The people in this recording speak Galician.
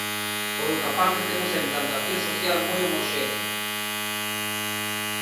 Por outra parte, temos a implantación social moi homoxénea.